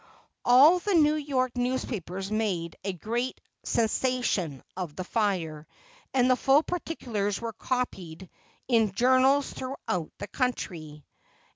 All the New York newspapers made a great "sensation" of the fire, and the full particulars were copied in journals throughout the country.